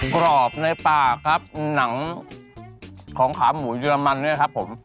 กรอบในปากครับหนังของขาหมูเยอรมันด้วยครับผม